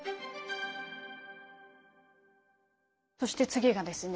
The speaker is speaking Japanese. そして次がですね